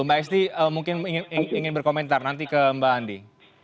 mbak esti mungkin ingin berkomentar nanti ke mbak andi